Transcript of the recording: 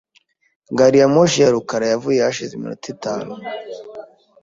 Gari ya moshi ya rukara yavuye hashize iminota itanu.